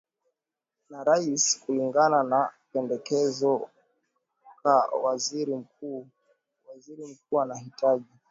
na rais kulingana na pendekezo ka waziri mkuu Waziri mkuu anahitaji